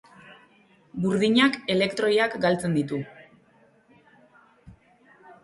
Burdinak elektroiak galtzen ditu.